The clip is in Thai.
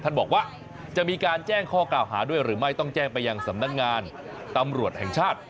บอกว่าจะมีการแจ้งข้อกล่าวหาด้วยหรือไม่ต้องแจ้งไปยังสำนักงานตำรวจแห่งชาติ